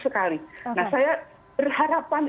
sekali nah saya berharapan